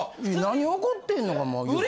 何怒ってんのかもよく。